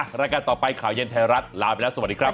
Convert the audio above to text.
รายการต่อไปข่าวเย็นไทยรัฐลาไปแล้วสวัสดีครับ